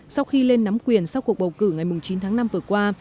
sau khi lên nắm quyền sau cuộc bầu cử ngày chín tháng năm vừa qua